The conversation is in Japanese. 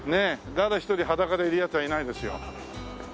誰一人裸でいるヤツはいないですよ。